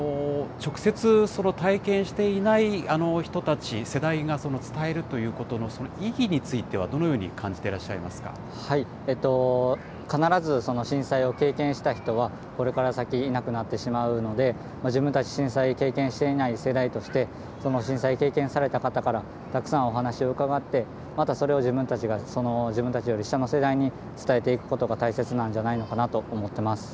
直接、その体験していない人たち、世代が伝えるということの、その意義についてはどのように感じて必ず、震災を経験した人は、これから先、いなくなってしまうので、自分たち、震災を経験していない世代として、震災経験された方からたくさんお話を伺って、またそれを自分たちが、自分たちより下の世代に伝えていくことが大切なんじゃないのかな